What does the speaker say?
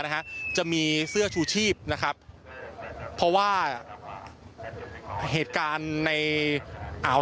นะฮะจะมีเสื้อชูชีพนะครับเพราะว่าเหตุการณ์ในอ่าว